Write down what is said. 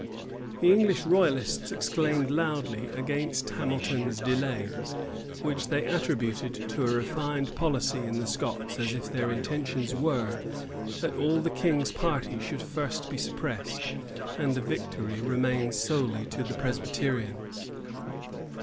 [*]* Clarendon, vol. v. p. 137. The English royalists exclaimed loudly against Hamilton's delays, which they attributed to a refined policy in the Scots as if their intentions were, that all the king's party should first be suppressed, and the victory remain solely to the Presbyterians.